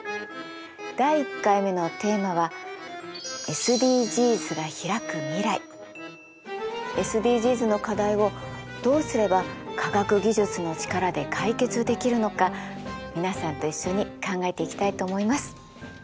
第１回のテーマはＳＤＧｓの課題をどうすれば科学技術の力で解決できるのか皆さんと一緒に考えていきたいと思います。